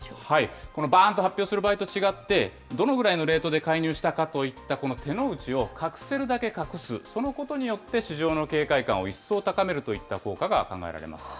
このばーんと発表する場合と違って、どのぐらいのレートで介入したかといった、この手の内を隠せるだけ隠す、そのことによって市場の警戒感を一層高めるといった効果が考えられます。